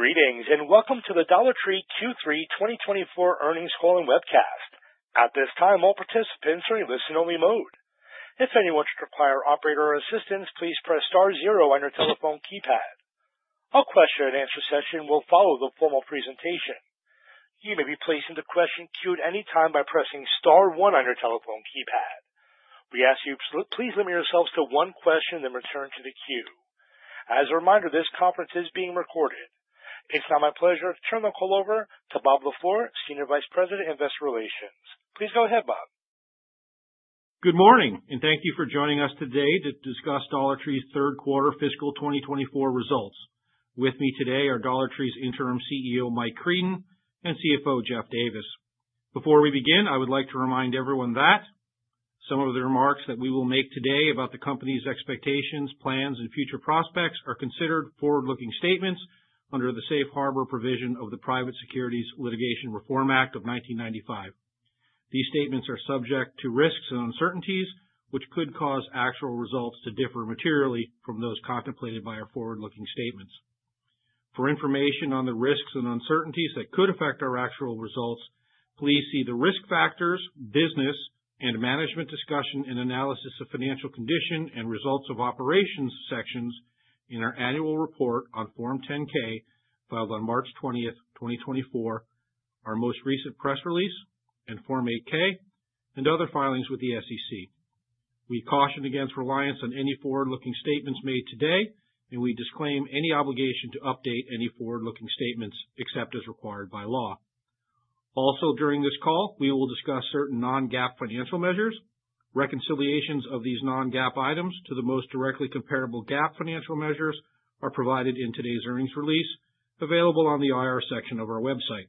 Greetings and welcome to the Dollar Tree Q3 2024 Earnings Call and Webcast. At this time, all participants are in listen-only mode. If anyone should require operator assistance, please press star zero on your telephone keypad. A question-and-answer session will follow the formal presentation. You may be placed into question queue at any time by pressing star one on your telephone keypad. We ask you to please limit yourselves to one question and then return to the queue. As a reminder, this conference is being recorded. It's now my pleasure to turn the call over to Bob LaFleur, Senior Vice President, Investor Relations. Please go ahead, Bob. Good morning, and thank you for joining us today to discuss Dollar Tree's Third Quarter Fiscal 2024 Results. With me today are Dollar Tree's Interim CEO, Mike Creedon, and CFO, Jeff Davis. Before we begin, I would like to remind everyone that some of the remarks that we will make today about the company's expectations, plans, and future prospects are considered forward-looking statements under the Safe Harbor Provision of the Private Securities Litigation Reform Act of 1995. These statements are subject to risks and uncertainties, which could cause actual results to differ materially from those contemplated by our forward-looking statements. For information on the risks and uncertainties that could affect our actual results, please see the risk factors, business, and management discussion and analysis of financial condition and results of operations sections in our annual report on Form 10-K filed on March 20th, 2024, our most recent press release, and Form 8-K, and other filings with the SEC. We caution against reliance on any forward-looking statements made today, and we disclaim any obligation to update any forward-looking statements except as required by law. Also, during this call, we will discuss certain non-GAAP financial measures. Reconciliations of these non-GAAP items to the most directly comparable GAAP financial measures are provided in today's earnings release available on the IR section of our website.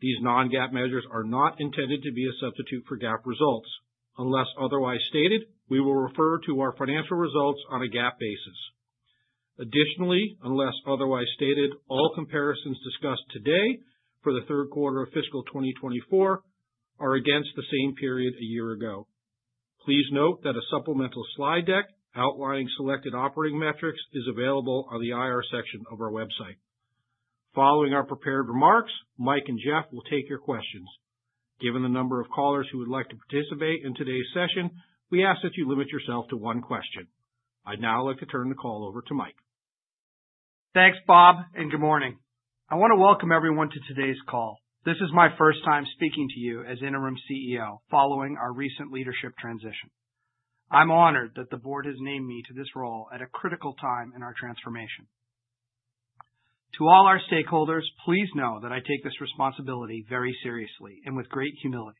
These non-GAAP measures are not intended to be a substitute for GAAP results. Unless otherwise stated, we will refer to our financial results on a GAAP basis. Additionally, unless otherwise stated, all comparisons discussed today for the third quarter of fiscal 2024 are against the same period a year ago. Please note that a supplemental slide deck outlining selected operating metrics is available on the IR section of our website. Following our prepared remarks, Mike and Jeff will take your questions. Given the number of callers who would like to participate in today's session, we ask that you limit yourself to one question. I'd now like to turn the call over to Mike. Thanks, Bob, and good morning. I want to welcome everyone to today's call. This is my first time speaking to you as Interim CEO following our recent leadership transition. I'm honored that the board has named me to this role at a critical time in our transformation. To all our stakeholders, please know that I take this responsibility very seriously and with great humility.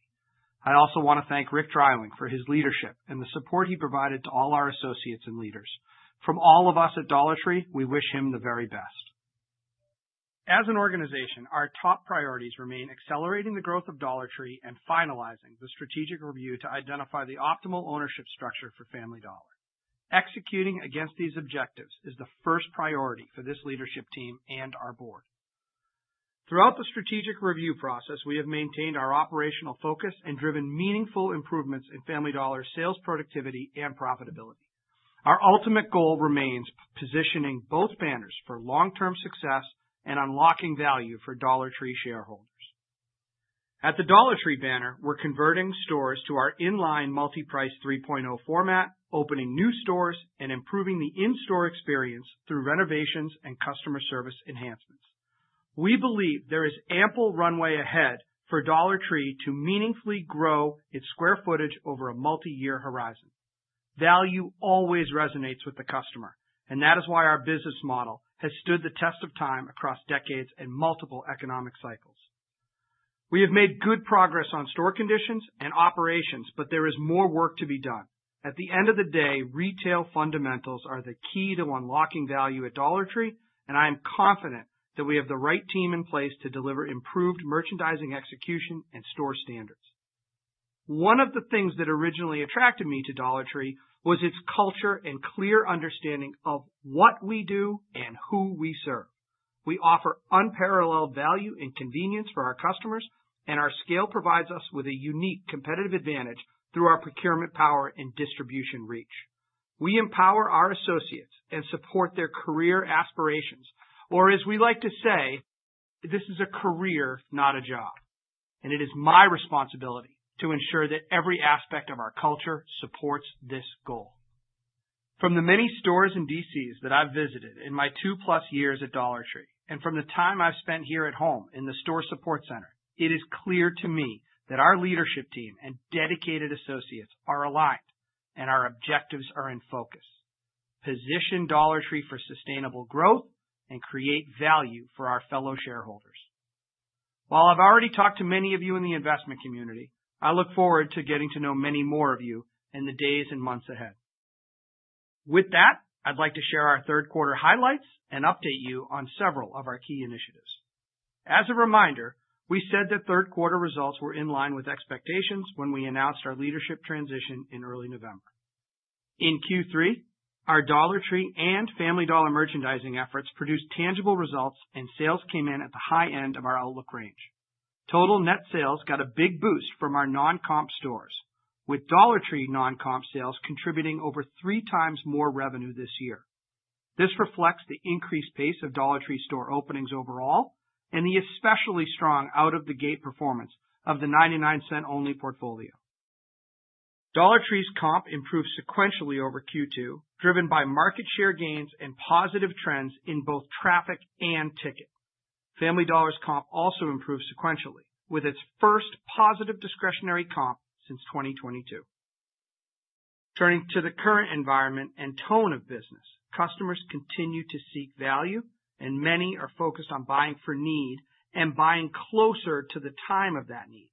I also want to thank Rick Dreiling for his leadership and the support he provided to all our associates and leaders. From all of us at Dollar Tree, we wish him the very best. As an organization, our top priorities remain accelerating the growth of Dollar Tree and finalizing the strategic review to identify the optimal ownership structure for Family Dollar. Executing against these objectives is the first priority for this leadership team and our board. Throughout the strategic review process, we have maintained our operational focus and driven meaningful improvements in Family Dollar's sales, productivity, and profitability. Our ultimate goal remains positioning both banners for long-term success and unlocking value for Dollar Tree shareholders. At the Dollar Tree banner, we're converting stores to our inline Multi-Price 3.0 format, opening new stores, and improving the in-store experience through renovations and customer service enhancements. We believe there is ample runway ahead for Dollar Tree to meaningfully grow its square footage over a multi-year horizon. Value always resonates with the customer, and that is why our business model has stood the test of time across decades and multiple economic cycles. We have made good progress on store conditions and operations, but there is more work to be done. At the end of the day, retail fundamentals are the key to unlocking value at Dollar Tree, and I am confident that we have the right team in place to deliver improved merchandising execution and store standards. One of the things that originally attracted me to Dollar Tree was its culture and clear understanding of what we do and who we serve. We offer unparalleled value and convenience for our customers, and our scale provides us with a unique competitive advantage through our procurement power and distribution reach. We empower our associates and support their career aspirations, or as we like to say, this is a career, not a job, and it is my responsibility to ensure that every aspect of our culture supports this goal. From the many stores in DC that I've visited in my two-plus years at Dollar Tree, and from the time I've spent here at home in the store support center, it is clear to me that our leadership team and dedicated associates are aligned and our objectives are in focus. Position Dollar Tree for sustainable growth and create value for our fellow shareholders. While I've already talked to many of you in the investment community, I look forward to getting to know many more of you in the days and months ahead. With that, I'd like to share our third quarter highlights and update you on several of our key initiatives. As a reminder, we said that third quarter results were in line with expectations when we announced our leadership transition in early November. In Q3, our Dollar Tree and Family Dollar merchandising efforts produced tangible results, and sales came in at the high end of our outlook range. Total net sales got a big boost from our non-comp stores, with Dollar Tree non-comp sales contributing over three times more revenue this year. This reflects the increased pace of Dollar Tree store openings overall and the especially strong out-of-the-gate performance of the 99 Cents Only portfolio. Dollar Tree's comp improved sequentially over Q2, driven by market share gains and positive trends in both traffic and ticket. Family Dollar's comp also improved sequentially with its first positive discretionary comp since 2022. Turning to the current environment and tone of business, customers continue to seek value, and many are focused on buying for need and buying closer to the time of that need.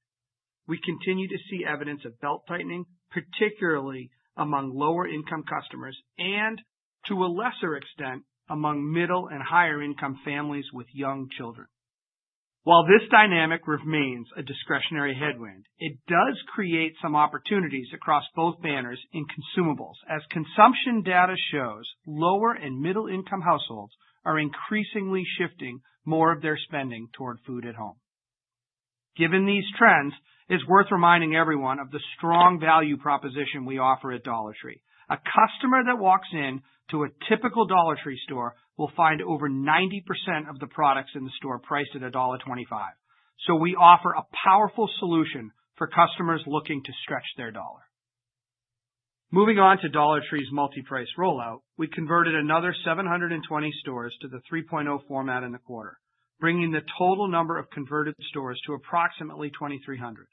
We continue to see evidence of belt tightening, particularly among lower-income customers and, to a lesser extent, among middle and higher-income families with young children. While this dynamic remains a discretionary headwind, it does create some opportunities across both banners in consumables. As consumption data shows, lower and middle-income households are increasingly shifting more of their spending toward food at home. Given these trends, it's worth reminding everyone of the strong value proposition we offer at Dollar Tree. A customer that walks into a typical Dollar Tree store will find over 90% of the products in the store priced at $1.25. So we offer a powerful solution for customers looking to stretch their dollar. Moving on to Dollar Tree's multi-price rollout, we converted another 720 stores to the 3.0 format in the quarter, bringing the total number of converted stores to approximately 2,300.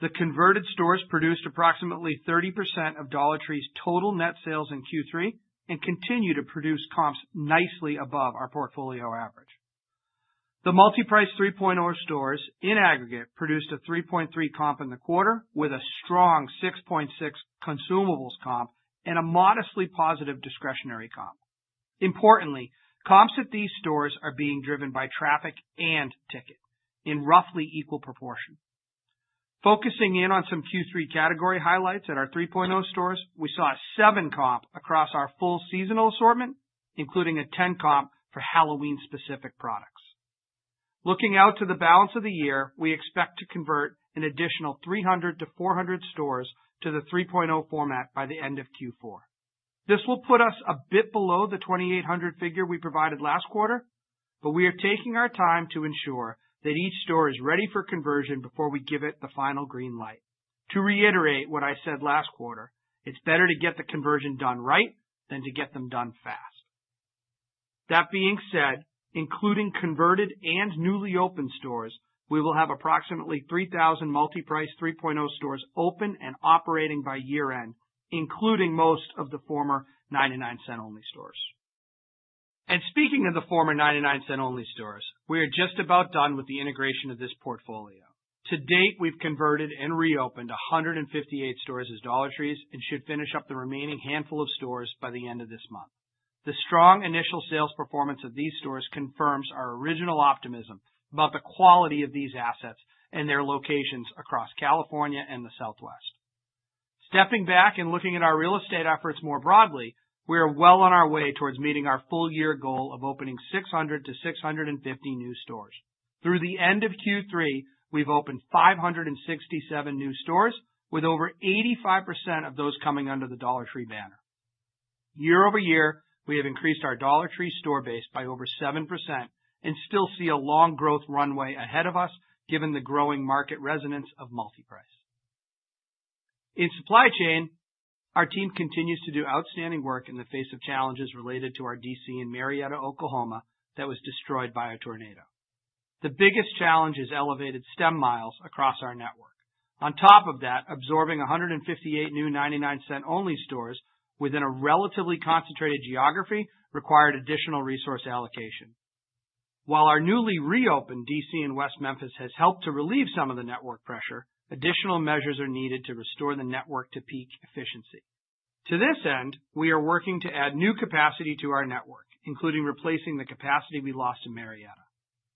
The converted stores produced approximately 30% of Dollar Tree's total net sales in Q3 and continue to produce comps nicely above our portfolio average. The Multi-Price 3.0 stores in aggregate produced a 3.3 comp in the quarter with a strong 6.6 consumables comp and a modestly positive discretionary comp. Importantly, comps at these stores are being driven by traffic and ticket in roughly equal proportion. Focusing in on some Q3 category highlights at our 3.0 stores, we saw a 7-comp across our full seasonal assortment, including a 10-comp for Halloween-specific products. Looking out to the balance of the year, we expect to convert an additional 300-400 stores to the 3.0 format by the end of Q4. This will put us a bit below the 2,800 figure we provided last quarter, but we are taking our time to ensure that each store is ready for conversion before we give it the final green light. To reiterate what I said last quarter, it's better to get the conversion done right than to get them done fast. That being said, including converted and newly opened stores, we will have approximately 3,000 Multi-Price 3.0 stores open and operating by year-end, including most of the former 99 Cents Only stores. And speaking of the former 99 Cents Only stores, we are just about done with the integration of this portfolio. To date, we've converted and reopened 158 stores as Dollar Trees and should finish up the remaining handful of stores by the end of this month. The strong initial sales performance of these stores confirms our original optimism about the quality of these assets and their locations across California and the Southwest. Stepping back and looking at our real estate efforts more broadly, we are well on our way towards meeting our full-year goal of opening 600-650 new stores. Through the end of Q3, we've opened 567 new stores, with over 85% of those coming under the Dollar Tree banner. Year-over-year, we have increased our Dollar Tree store base by over 7% and still see a long growth runway ahead of us given the growing market resonance of multi-price. In supply chain, our team continues to do outstanding work in the face of challenges related to our DC in Marietta, Oklahoma, that was destroyed by a tornado. The biggest challenge is elevated stem miles across our network. On top of that, absorbing 158 new 99 Cents Only stores within a relatively concentrated geography required additional resource allocation. While our newly reopened DC in West Memphis has helped to relieve some of the network pressure, additional measures are needed to restore the network to peak efficiency. To this end, we are working to add new capacity to our network, including replacing the capacity we lost in Marietta.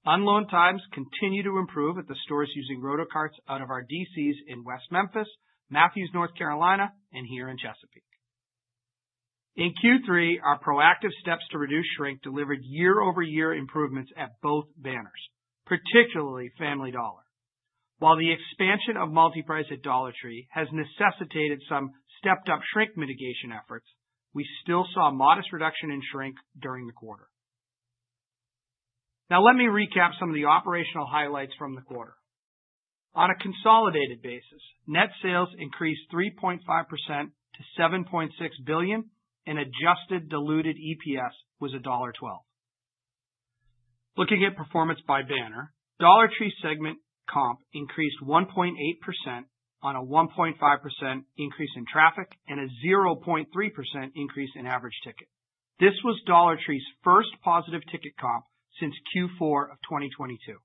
Unload times continue to improve at the stores using Rotocarts out of our DCs in West Memphis, Matthews, North Carolina, and here in Chesapeake. In Q3, our proactive steps to reduce shrink delivered year-over-year improvements at both banners, particularly Family Dollar. While the expansion of multi-price at Dollar Tree has necessitated some stepped-up shrink mitigation efforts, we still saw modest reduction in shrink during the quarter. Now, let me recap some of the operational highlights from the quarter. On a consolidated basis, net sales increased 3.5% to $7.6 billion, and adjusted diluted EPS was $1.12. Looking at performance by banner, Dollar Tree segment comp increased 1.8% on a 1.5% increase in traffic and a 0.3% increase in average ticket. This was Dollar Tree's first positive ticket comp since Q4 of 2022.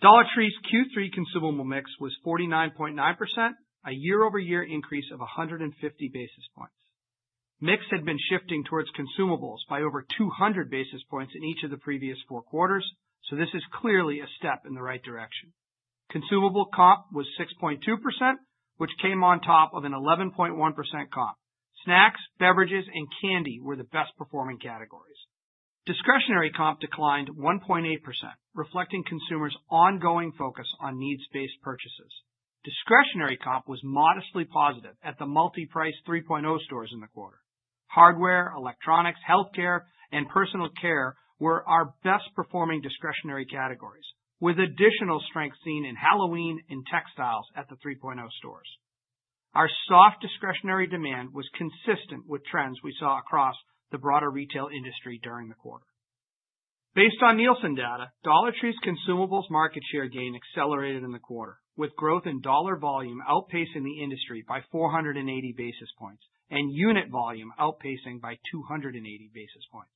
Dollar Tree's Q3 consumable mix was 49.9%, a year-over-year increase of 150 basis points. Mix had been shifting towards consumables by over 200 basis points in each of the previous four quarters, so this is clearly a step in the right direction. Consumable comp was 6.2%, which came on top of an 11.1% comp. Snacks, beverages, and candy were the best-performing categories. Discretionary comp declined 1.8%, reflecting consumers' ongoing focus on needs-based purchases. Discretionary comp was modestly positive at the multi-price 3.0 stores in the quarter. Hardware, electronics, healthcare, and personal care were our best-performing discretionary categories, with additional strength seen in Halloween and textiles at the 3.0 stores. Our soft discretionary demand was consistent with trends we saw across the broader retail industry during the quarter. Based on Nielsen data, Dollar Tree's consumables market share gain accelerated in the quarter, with growth in dollar volume outpacing the industry by 480 basis points and unit volume outpacing by 280 basis points.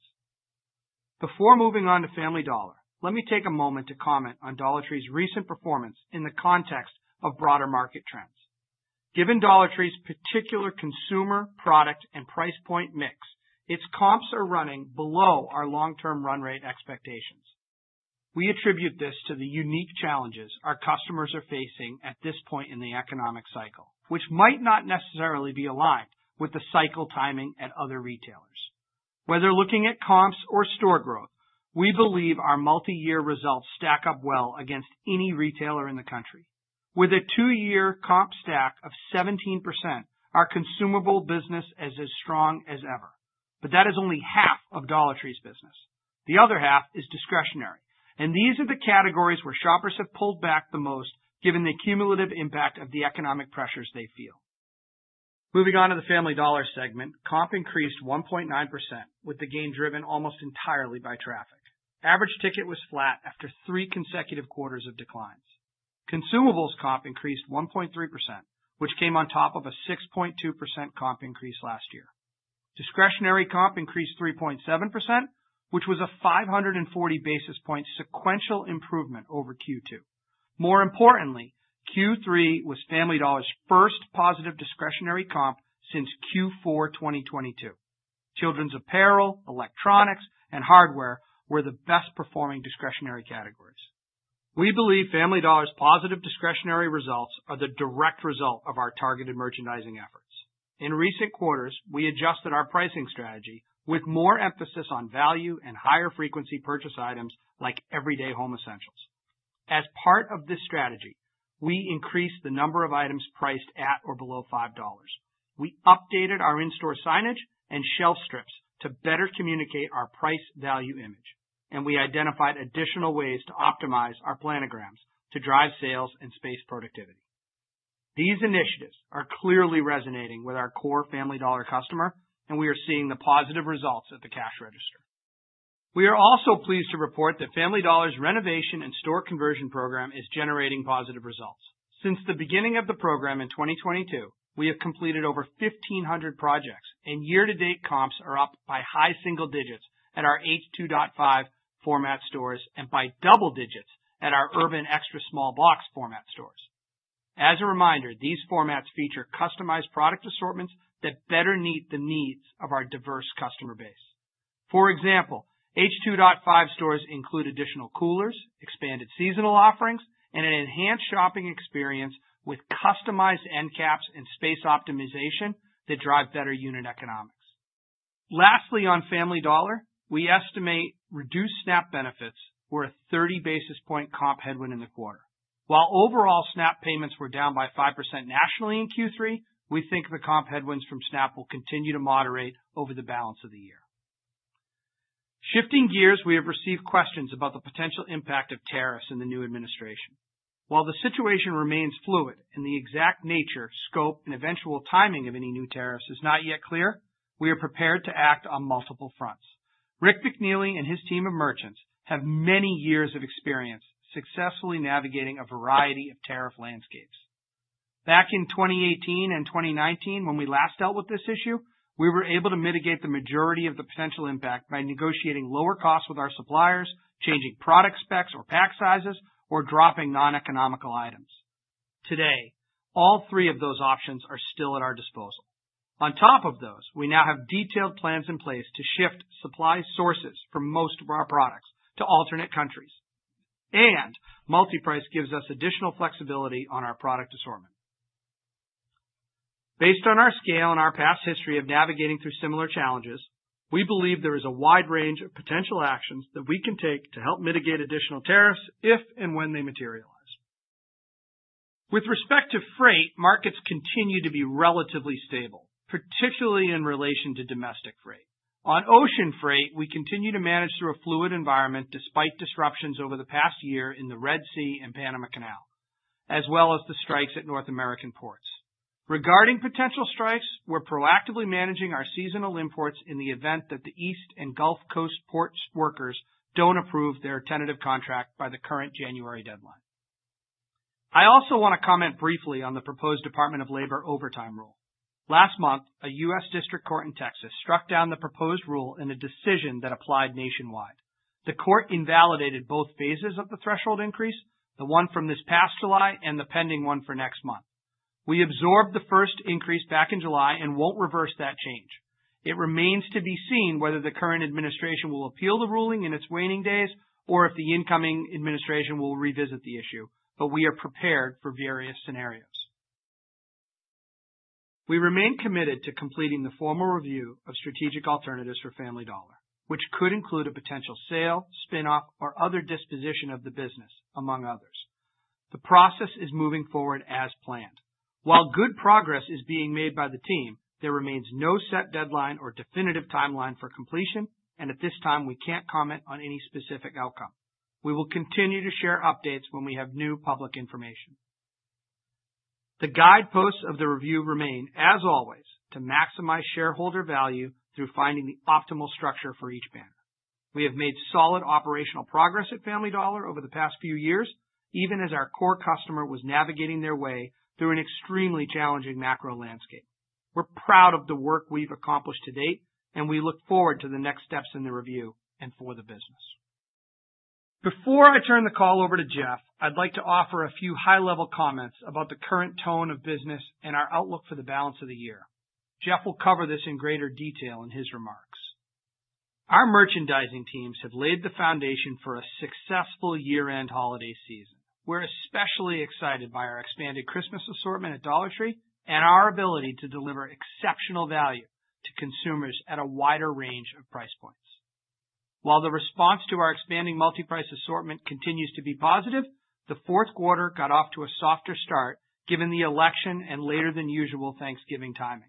Before moving on to Family Dollar, let me take a moment to comment on Dollar Tree's recent performance in the context of broader market trends. Given Dollar Tree's particular consumer, product, and price point mix, its comps are running below our long-term run rate expectations. We attribute this to the unique challenges our customers are facing at this point in the economic cycle, which might not necessarily be aligned with the cycle timing at other retailers. Whether looking at comps or store growth, we believe our multi-year results stack up well against any retailer in the country. With a two-year comp stack of 17%, our consumables business is as strong as ever, but that is only half of Dollar Tree's business. The other half is discretionary, and these are the categories where shoppers have pulled back the most given the cumulative impact of the economic pressures they feel. Moving on to the Family Dollar segment, comp increased 1.9%, with the gain driven almost entirely by traffic. Average ticket was flat after three consecutive quarters of declines. Consumables comp increased 1.3%, which came on top of a 6.2% comp increase last year. Discretionary comp increased 3.7%, which was a 540 basis points sequential improvement over Q2. More importantly, Q3 was Family Dollar's first positive discretionary comp since Q4 2022. Children's apparel, electronics, and hardware were the best-performing discretionary categories. We believe Family Dollar's positive discretionary results are the direct result of our targeted merchandising efforts. In recent quarters, we adjusted our pricing strategy with more emphasis on value and higher-frequency purchase items like everyday home essentials. As part of this strategy, we increased the number of items priced at or below $5. We updated our in-store signage and shelf strips to better communicate our price-value image, and we identified additional ways to optimize our planograms to drive sales and space productivity. These initiatives are clearly resonating with our core Family Dollar customer, and we are seeing the positive results at the cash register. We are also pleased to report that Family Dollar's renovation and store conversion program is generating positive results. Since the beginning of the program in 2022, we have completed over 1,500 projects, and year-to-date comps are up by high single digits at our H2.5 format stores and by double digits at our Urban Extra Small Box format stores. As a reminder, these formats feature customized product assortments that better meet the needs of our diverse customer base. For example, H2.5 stores include additional coolers, expanded seasonal offerings, and an enhanced shopping experience with customized end caps and space optimization that drive better unit economics. Lastly, on Family Dollar, we estimate reduced SNAP benefits were a 30 basis point comp headwind in the quarter. While overall SNAP payments were down by 5% nationally in Q3, we think the comp headwinds from SNAP will continue to moderate over the balance of the year. Shifting gears, we have received questions about the potential impact of tariffs in the new administration. While the situation remains fluid and the exact nature, scope, and eventual timing of any new tariffs is not yet clear, we are prepared to act on multiple fronts. Rick McNeely and his team of merchants have many years of experience successfully navigating a variety of tariff landscapes. Back in 2018 and 2019, when we last dealt with this issue, we were able to mitigate the majority of the potential impact by negotiating lower costs with our suppliers, changing product specs or pack sizes, or dropping non-economical items. Today, all three of those options are still at our disposal. On top of those, we now have detailed plans in place to shift supply sources for most of our products to alternate countries, and multi-price gives us additional flexibility on our product assortment. Based on our scale and our past history of navigating through similar challenges, we believe there is a wide range of potential actions that we can take to help mitigate additional tariffs if and when they materialize. With respect to freight, markets continue to be relatively stable, particularly in relation to domestic freight. On ocean freight, we continue to manage through a fluid environment despite disruptions over the past year in the Red Sea and Panama Canal, as well as the strikes at North American ports. Regarding potential strikes, we're proactively managing our seasonal imports in the event that the East and Gulf Coast ports' workers don't approve their tentative contract by the current January deadline. I also want to comment briefly on the proposed Department of Labor overtime rule. Last month, a U.S. District Court in Texas struck down the proposed rule in a decision that applied nationwide. The court invalidated both phases of the threshold increase, the one from this past July and the pending one for next month. We absorbed the first increase back in July and won't reverse that change. It remains to be seen whether the current administration will appeal the ruling in its waning days or if the incoming administration will revisit the issue, but we are prepared for various scenarios. We remain committed to completing the formal review of strategic alternatives for Family Dollar, which could include a potential sale, spinoff, or other disposition of the business, among others. The process is moving forward as planned. While good progress is being made by the team, there remains no set deadline or definitive timeline for completion, and at this time, we can't comment on any specific outcome. We will continue to share updates when we have new public information. The guideposts of the review remain, as always, to maximize shareholder value through finding the optimal structure for each banner. We have made solid operational progress at Family Dollar over the past few years, even as our core customer was navigating their way through an extremely challenging macro landscape. We're proud of the work we've accomplished to date, and we look forward to the next steps in the review and for the business. Before I turn the call over to Jeff, I'd like to offer a few high-level comments about the current tone of business and our outlook for the balance of the year. Jeff will cover this in greater detail in his remarks. Our merchandising teams have laid the foundation for a successful year-end holiday season. We're especially excited by our expanded Christmas assortment at Dollar Tree and our ability to deliver exceptional value to consumers at a wider range of price points. While the response to our expanding multi-price assortment continues to be positive, the fourth quarter got off to a softer start given the election and later-than-usual Thanksgiving timing.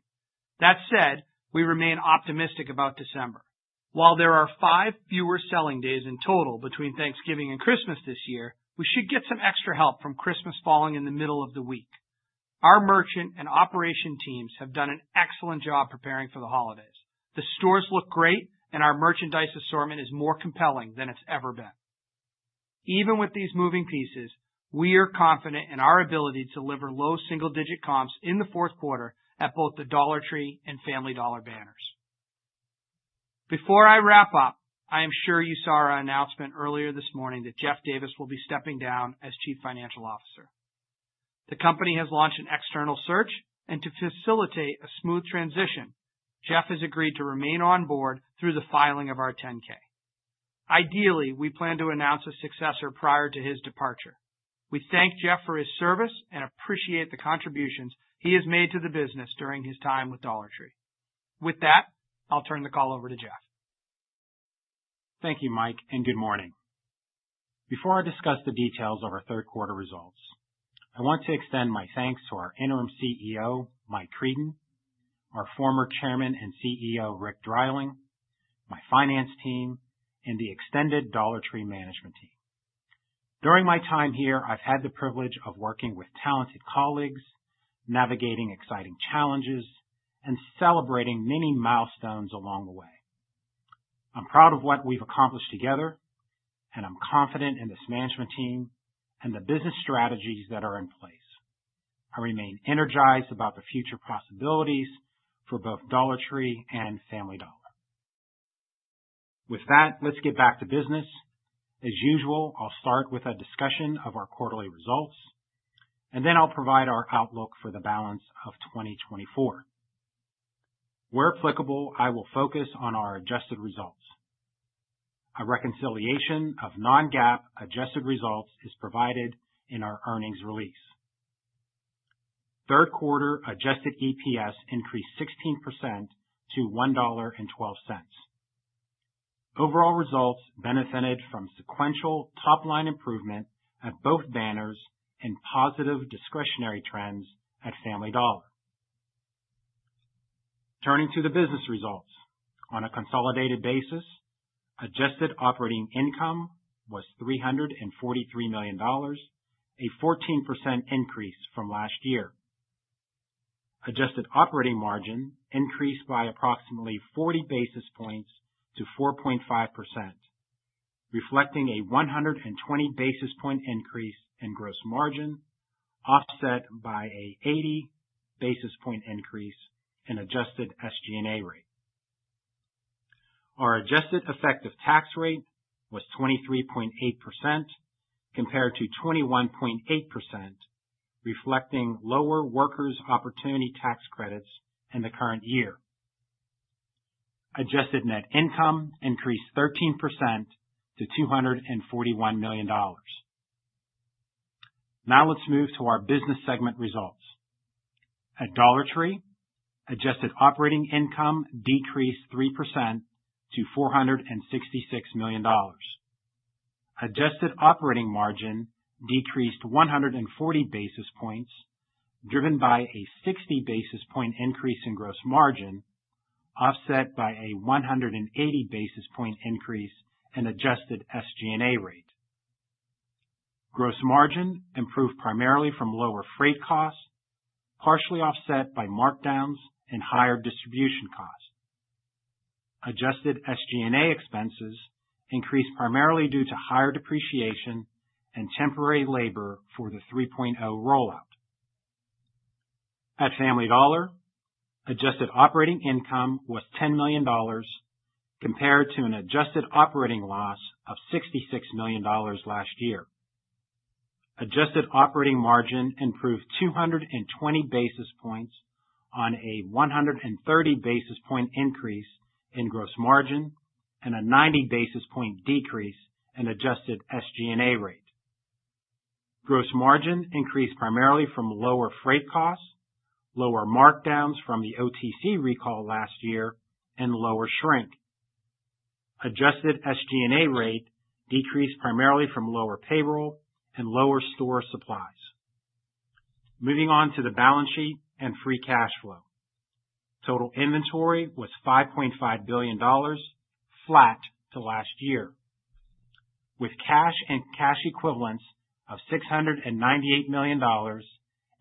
That said, we remain optimistic about December. While there are five fewer selling days in total between Thanksgiving and Christmas this year, we should get some extra help from Christmas falling in the middle of the week. Our merchant and operation teams have done an excellent job preparing for the holidays. The stores look great, and our merchandise assortment is more compelling than it's ever been. Even with these moving pieces, we are confident in our ability to deliver low single-digit comps in the fourth quarter at both the Dollar Tree and Family Dollar banners. Before I wrap up, I am sure you saw our announcement earlier this morning that Jeff Davis will be stepping down as Chief Financial Officer. The company has launched an external search, and to facilitate a smooth transition, Jeff has agreed to remain on board through the filing of our 10-K. Ideally, we plan to announce a successor prior to his departure. We thank Jeff for his service and appreciate the contributions he has made to the business during his time with Dollar Tree. With that, I'll turn the call over to Jeff. Thank you, Mike, and good morning. Before I discuss the details of our third quarter results, I want to extend my thanks to our Interim CEO, Mike Creedon, our former Chairman and CEO, Rick Dreiling, my finance team, and the extended Dollar Tree management team. During my time here, I've had the privilege of working with talented colleagues, navigating exciting challenges, and celebrating many milestones along the way. I'm proud of what we've accomplished together, and I'm confident in this management team and the business strategies that are in place. I remain energized about the future possibilities for both Dollar Tree and Family Dollar. With that, let's get back to business. As usual, I'll start with a discussion of our quarterly results, and then I'll provide our outlook for the balance of 2024. Where applicable, I will focus on our adjusted results. A reconciliation of Non-GAAP adjusted results is provided in our earnings release. Third quarter Adjusted EPS increased 16% to $1.12. Overall results benefited from sequential top-line improvement at both banners and positive discretionary trends at Family Dollar. Turning to the business results, on a consolidated basis, adjusted operating income was $343 million, a 14% increase from last year. Adjusted operating margin increased by approximately 40 basis points to 4.5%, reflecting a 120 basis points increase in gross margin offset by an 80 basis points increase in adjusted SG&A rate. Our adjusted effective tax rate was 23.8% compared to 21.8%, reflecting lower Work Opportunity Tax Credits in the current year. Adjusted net income increased 13% to $241 million. Now let's move to our business segment results. At Dollar Tree, adjusted operating income decreased 3% to $466 million. Adjusted operating margin decreased 140 basis points, driven by a 60 basis points increase in gross margin offset by a 180 basis points increase in adjusted SG&A rate. Gross margin improved primarily from lower freight costs, partially offset by markdowns and higher distribution costs. Adjusted SG&A expenses increased primarily due to higher depreciation and temporary labor for the 3.0 rollout. At Family Dollar, adjusted operating income was $10 million compared to an adjusted operating loss of $66 million last year. Adjusted operating margin improved 220 basis points on a 130 basis point increase in gross margin and a 90 basis point decrease in adjusted SG&A rate. Gross margin increased primarily from lower freight costs, lower markdowns from the OTC recall last year, and lower shrink. Adjusted SG&A rate decreased primarily from lower payroll and lower store supplies. Moving on to the balance sheet and free cash flow. Total inventory was $5.5 billion, flat to last year. With cash and cash equivalents of $698 million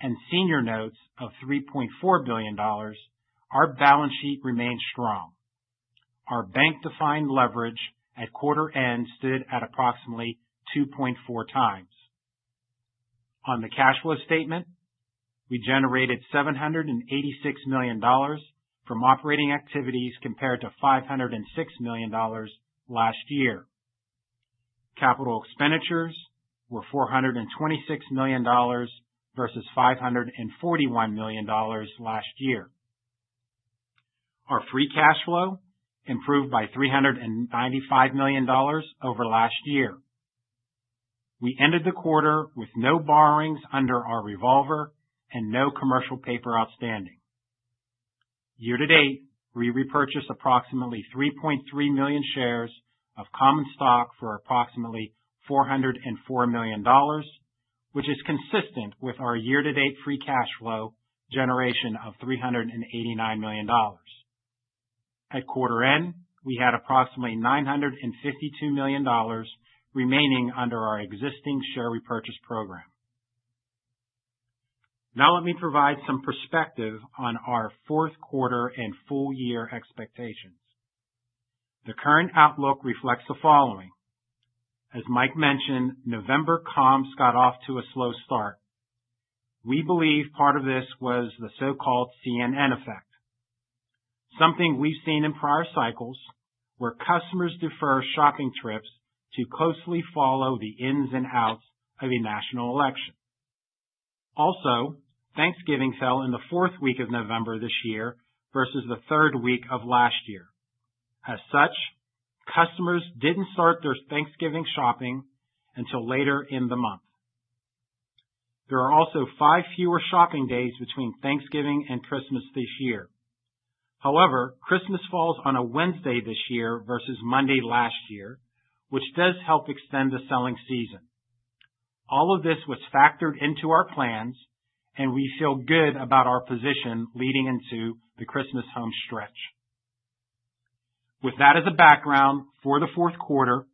and senior notes of $3.4 billion, our balance sheet remained strong. Our bank-defined leverage at quarter-end stood at approximately 2.4 times. On the cash flow statement, we generated $786 million from operating activities compared to $506 million last year. Capital expenditures were $426 million versus $541 million last year. Our free cash flow improved by $395 million over last year. We ended the quarter with no borrowings under our revolver and no commercial paper outstanding. Year-to-date, we repurchased approximately 3.3 million shares of common stock for approximately $404 million, which is consistent with our year-to-date free cash flow generation of $389 million. At quarter-end, we had approximately $952 million remaining under our existing share repurchase program. Now let me provide some perspective on our fourth quarter and full-year expectations. The current outlook reflects the following. As Mike mentioned, November comps got off to a slow start. We believe part of this was the so-called CNN effect, something we've seen in prior cycles where customers defer shopping trips to closely follow the ins and outs of a national election. Also, Thanksgiving fell in the fourth week of November this year versus the third week of last year. As such, customers didn't start their Thanksgiving shopping until later in the month. There are also five fewer shopping days between Thanksgiving and Christmas this year. However, Christmas falls on a Wednesday this year versus Monday last year, which does help extend the selling season. All of this was factored into our plans, and we feel good about our position leading into the Christmas home stretch. With that as a background for the fourth quarter,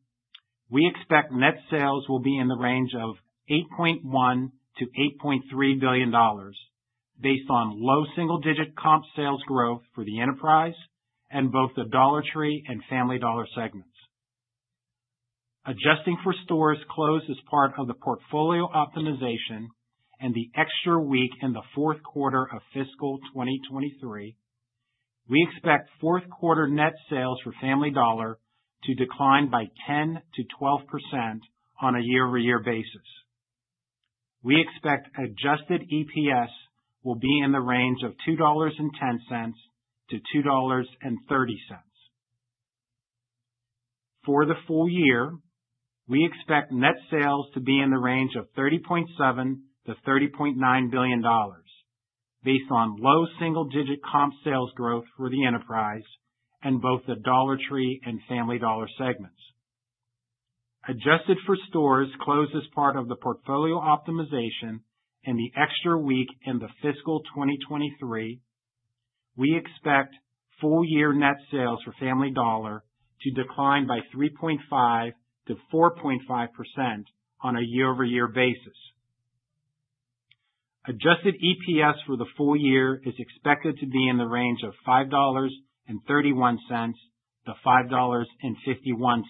we expect net sales will be in the range of $8.1-$8.3 billion based on low single-digit comp sales growth for the enterprise and both the Dollar Tree and Family Dollar segments. Adjusting for stores closed as part of the portfolio optimization and the extra week in the fourth quarter of fiscal 2023, we expect fourth quarter net sales for Family Dollar to decline by 10%-12% on a year-over-year basis. We expect adjusted EPS will be in the range of $2.10-$2.30. For the full year, we expect net sales to be in the range of $30.7-$30.9 billion based on low single-digit comp sales growth for the enterprise and both the Dollar Tree and Family Dollar segments. Adjusted for stores closed as part of the portfolio optimization and the extra week in the fiscal 2023, we expect full-year net sales for Family Dollar to decline by 3.5%-4.5% on a year-over-year basis. Adjusted EPS for the full year is expected to be in the range of $5.31-$5.51.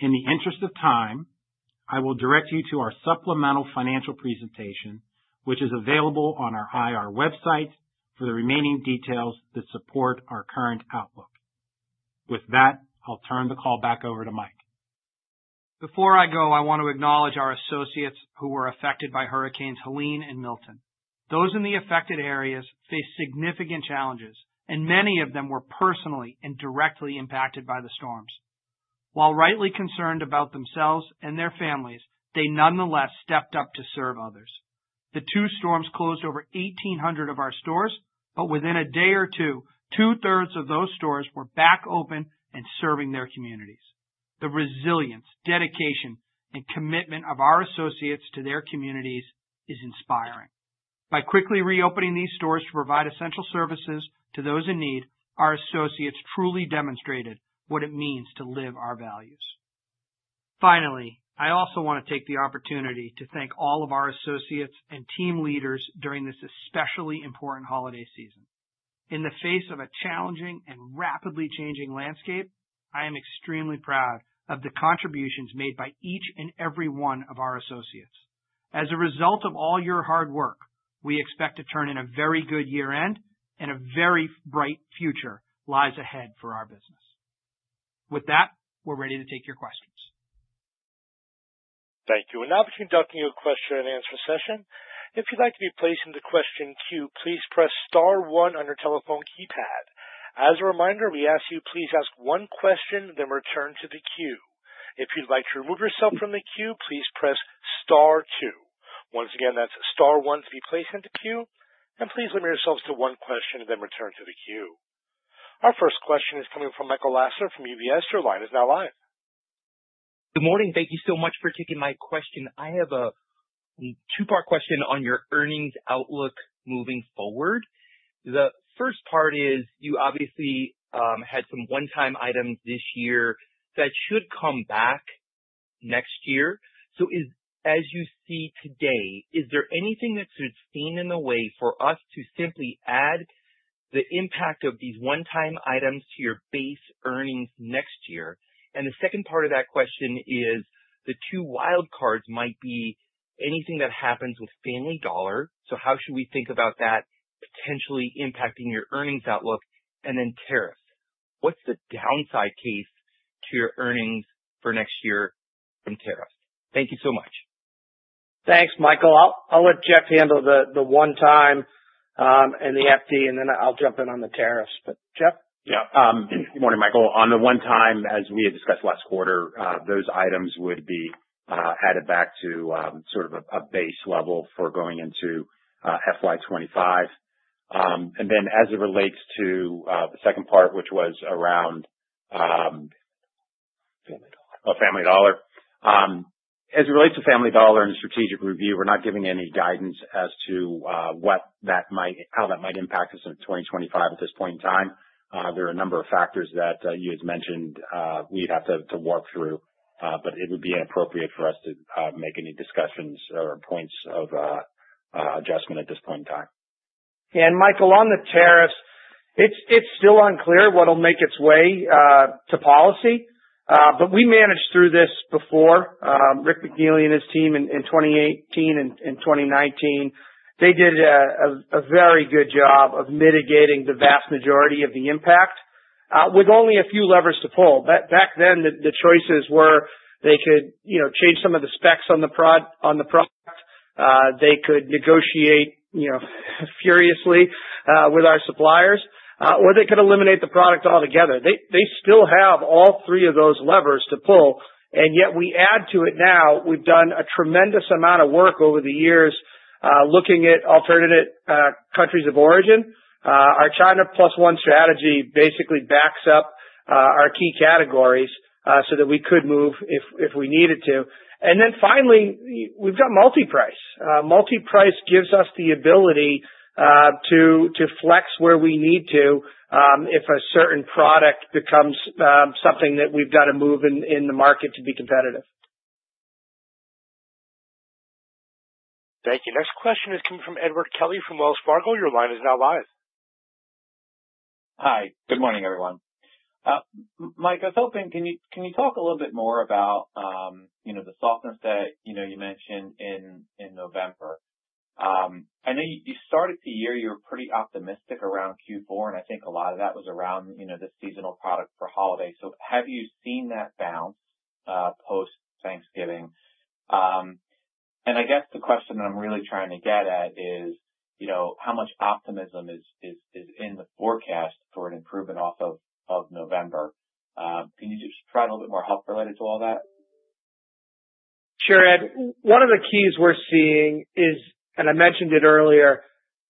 In the interest of time, I will direct you to our supplemental financial presentation, which is available on our IR website for the remaining details that support our current outlook. With that, I'll turn the call back over to Mike. Before I go, I want to acknowledge our associates who were affected by Hurricanes Helene and Milton. Those in the affected areas faced significant challenges, and many of them were personally and directly impacted by the storms. While rightly concerned about themselves and their families, they nonetheless stepped up to serve others. The two storms closed over 1,800 of our stores, but within a day or two, two-thirds of those stores were back open and serving their communities. The resilience, dedication, and commitment of our associates to their communities is inspiring. By quickly reopening these stores to provide essential services to those in need, our associates truly demonstrated what it means to live our values. Finally, I also want to take the opportunity to thank all of our associates and team leaders during this especially important holiday season. In the face of a challenging and rapidly changing landscape, I am extremely proud of the contributions made by each and every one of our associates. As a result of all your hard work, we expect to turn in a very good year-end and a very bright future lies ahead for our business. With that, we're ready to take your questions. Thank you. And now, during the Q&A session, if you'd like to be placed into question queue, please press Star one on your telephone keypad. As a reminder, we ask you, please ask one question, then return to the queue. If you'd like to remove yourself from the queue, please press Star two. Once again, that's Star one to be placed into queue. And please limit yourselves to one question, then return to the queue. Our first question is coming from Michael Lasser from UBS. Your line is now live. Good morning. Thank you so much for taking my question. I have a two-part question on your earnings outlook moving forward. The first part is you obviously had some one-time items this year that should come back next year. As you see today, is there anything that should stand in the way for us to simply add the impact of these one-time items to your base earnings next year? And the second part of that question is the two wild cards might be anything that happens with Family Dollar. So how should we think about that potentially impacting your earnings outlook? And then tariffs. What's the downside case to your earnings for next year from tariffs? Thank you so much. Thanks, Michael. I'll let Jeff handle the one-time and the FD, and then I'll jump in on the tariffs. But Jeff? Yeah. Good morning, Michael. On the one-time, as we had discussed last quarter, those items would be added back to sort of a base level for going into FY 2025. And then, as it relates to the second part, which was around Family Dollar. Oh, Family Dollar. As it relates to Family Dollar and the strategic review, we're not giving any guidance as to how that might impact us in 2025 at this point in time. There are a number of factors that you had mentioned we'd have to walk through, but it would be inappropriate for us to make any discussions or points of adjustment at this point in time. And Michael, on the tariffs, it's still unclear what'll make its way to policy, but we managed through this before. Rick McNeely and his team in 2018 and 2019, they did a very good job of mitigating the vast majority of the impact with only a few levers to pull. Back then, the choices were they could change some of the specs on the product, they could negotiate furiously with our suppliers, or they could eliminate the product altogether. They still have all three of those levers to pull. And yet, we add to it now. We've done a tremendous amount of work over the years looking at alternative countries of origin. Our China Plus One strategy basically backs up our key categories so that we could move if we needed to. And then finally, we've got multi-price. Multi-price gives us the ability to flex where we need to if a certain product becomes something that we've got to move in the market to be competitive. Thank you. Next question is coming from Edward Kelly from Wells Fargo. Your line is now live. Hi. Good morning, everyone. Mike, I was hoping, can you talk a little bit more about the softness that you mentioned in November? I know you started the year. You were pretty optimistic around Q4, and I think a lot of that was around the seasonal product for holidays. So have you seen that bounce post-Thanksgiving? And I guess the question that I'm really trying to get at is how much optimism is in the forecast for an improvement off of November? Can you just provide a little bit more help related to all that? Sure. One of the keys we're seeing is, and I mentioned it earlier,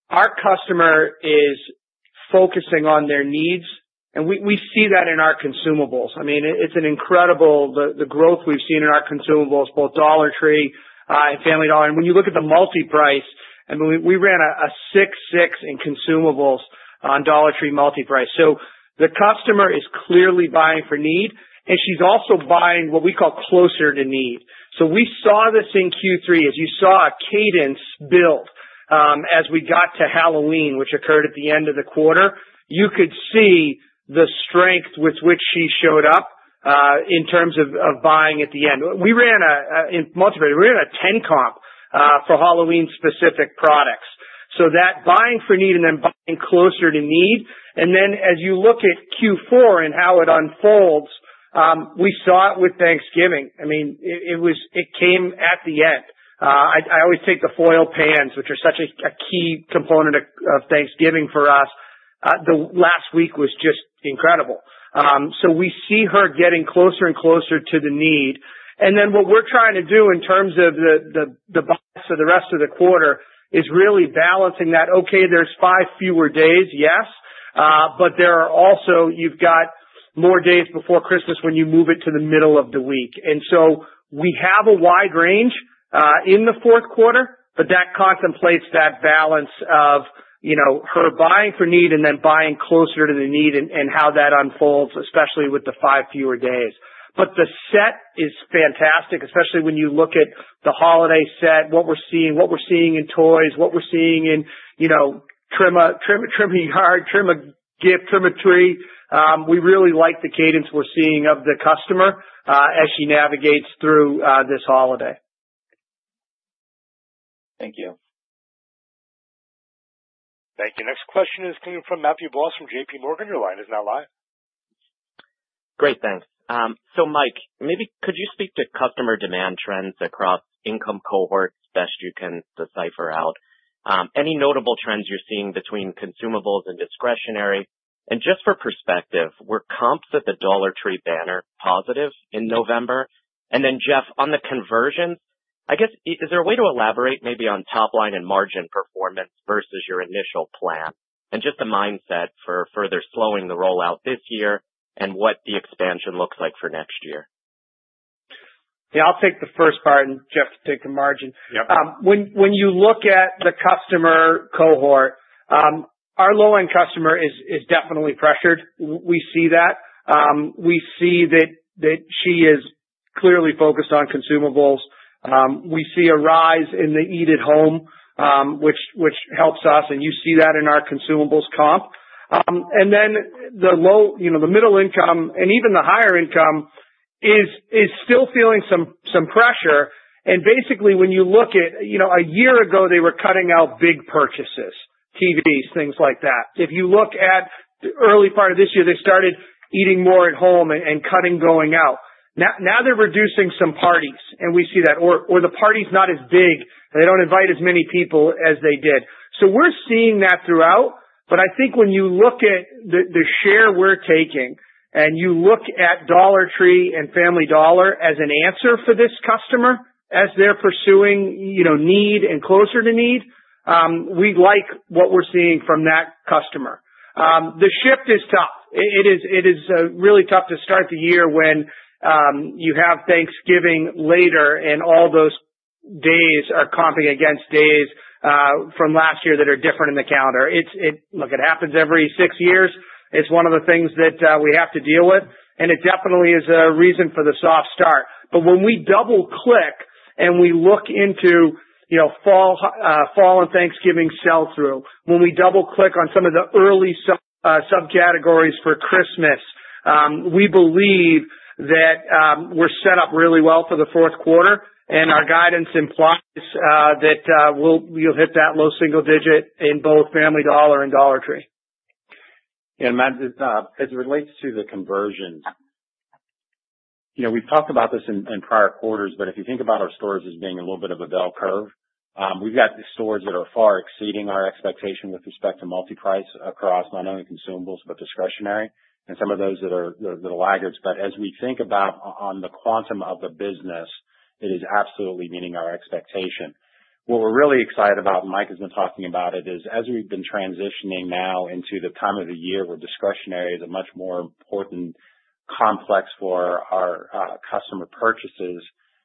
our customer is focusing on their needs, and we see that in our consumables. I mean, it's incredible the growth we've seen in our consumables, both Dollar Tree and Family Dollar. And when you look at the multi-price, I mean, we ran a 6-6 in consumables on Dollar Tree multi-price. So the customer is clearly buying for need, and she's also buying what we call closer to need. So we saw this in Q3, as you saw a cadence build as we got to Halloween, which occurred at the end of the quarter. You could see the strength with which she showed up in terms of buying at the end. We ran a multi-price. We ran a 10-comp for Halloween-specific products. So that buying for need and then buying closer to need. And then, as you look at Q4 and how it unfolds, we saw it with Thanksgiving. I mean, it came at the end. I always take the foil pans, which are such a key component of Thanksgiving for us. The last week was just incredible. So we see her getting closer and closer to the need. And then what we're trying to do in terms of the buying for the rest of the quarter is really balancing that. Okay, there's five fewer days, yes, but there are also you've got more days before Christmas when you move it to the middle of the week. And so we have a wide range in the fourth quarter, but that contemplates that balance of her buying for need and then buying closer to the need and how that unfolds, especially with the five fewer days. But the set is fantastic, especially when you look at the holiday set, what we're seeing, what we're seeing in toys, what we're seeing in trim a yard, trim a gift, trim a tree. We really like the cadence we're seeing of the customer as she navigates through this holiday. Thank you. Thank you. Next question is coming from Matthew Boss from JPMorgan. Your line is now live. Great. Thanks. So Mike, maybe could you speak to customer demand trends across income cohorts best you can decipher out? Any notable trends you're seeing between consumables and discretionary? And just for perspective, were comps at the Dollar Tree banner positive in November? And then, Jeff, on the conversions, I guess, is there a way to elaborate maybe on top line and margin performance versus your initial plan? And just the mindset for further slowing the rollout this year and what the expansion looks like for next year? Yeah. I'll take the first part, and Jeff could take the margin. When you look at the customer cohort, our low-end customer is definitely pressured. We see that. We see that she is clearly focused on consumables. We see a rise in the eat-at-home, which helps us, and you see that in our consumables comp. And then the middle income and even the higher income is still feeling some pressure. And basically, when you look at a year ago, they were cutting out big purchases, TVs, things like that. If you look at the early part of this year, they started eating more at home and cutting going out. Now they're reducing some parties, and we see that. Or the party's not as big. They don't invite as many people as they did. So we're seeing that throughout, but I think when you look at the share we're taking and you look at Dollar Tree and Family Dollar as an answer for this customer as they're pursuing need and closer to need, we like what we're seeing from that customer. The shift is tough. It is really tough to start the year when you have Thanksgiving later and all those days are comping against days from last year that are different in the calendar. Look, it happens every six years. It's one of the things that we have to deal with, and it definitely is a reason for the soft start. But when we double-click and we look into fall and Thanksgiving sell-through, when we double-click on some of the early subcategories for Christmas, we believe that we're set up really well for the fourth quarter, and our guidance implies that we'll hit that low single digit in both Family Dollar and Dollar Tree. Matt, as it relates to the conversions, we've talked about this in prior quarters, but if you think about our stores as being a little bit of a bell curve, we've got the stores that are far exceeding our expectation with respect to multi-price across not only consumables but discretionary and some of those that are laggards. But as we think about on the quantum of the business, it is absolutely meeting our expectation. What we're really excited about, and Mike has been talking about it, is as we've been transitioning now into the time of the year where discretionary is a much more important complex for our customer purchases,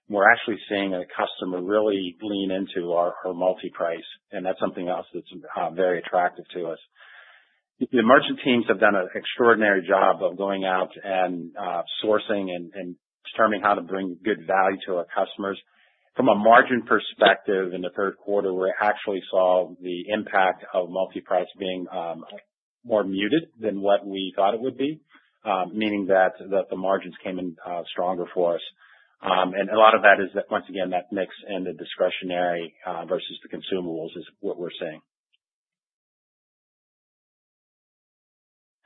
we're actually seeing a customer really lean into her multi-price, and that's something else that's very attractive to us. The merchant teams have done an extraordinary job of going out and sourcing and determining how to bring good value to our customers. From a margin perspective in the third quarter, we actually saw the impact of multi-price being more muted than what we thought it would be, meaning that the margins came in stronger for us. And a lot of that is that, once again, that mix in the discretionary versus the consumables is what we're seeing.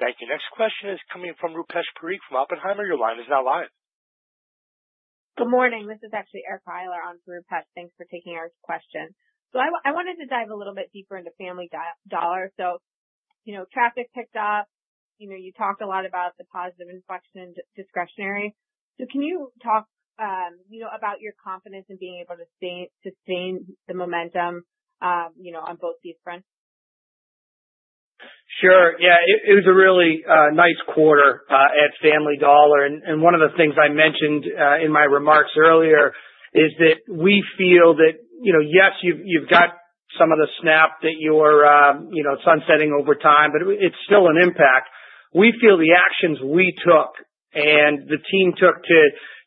Thank you. Next question is coming from Rupesh Parikh from Oppenheimer. Your line is now live. Good morning. This is actually Erica Eiler on for Rupesh. Thanks for taking our question. So I wanted to dive a little bit deeper into Family Dollar. So traffic picked up. You talked a lot about the positive inflection in discretionary. So can you talk about your confidence in being able to sustain the momentum on both these fronts? Sure. Yeah. It was a really nice quarter at Family Dollar, and one of the things I mentioned in my remarks earlier is that we feel that, yes, you've got some of the SNAP that you're sunsetting over time, but it's still an impact. We feel the actions we took and the team took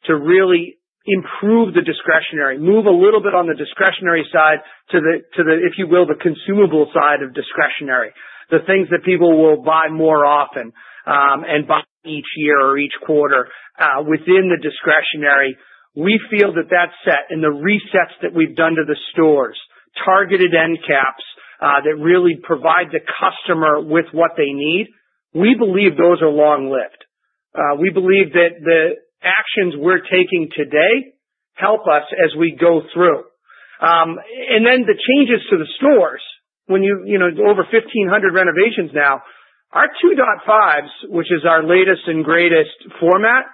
to really improve the discretionary, move a little bit on the discretionary side to the, if you will, the consumable side of discretionary, the things that people will buy more often and buy each year or each quarter within the discretionary, we feel that that set and the resets that we've done to the stores, targeted end caps that really provide the customer with what they need, we believe those are long-lived. We believe that the actions we're taking today help us as we go through. And then the changes to the stores, when you have over 1,500 renovations now, our 2.5s, which is our latest and greatest format,